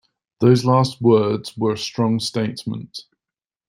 Those last words were a strong statement.